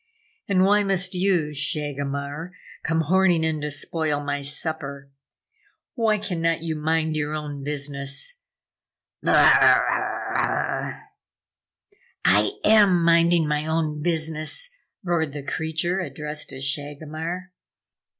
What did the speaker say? And why must you, Shagomar, come horning in to spoil my supper? Why cannot you mind your own business, Br rrah!" "I am minding my own business," roared the creature addressed as Shagomar.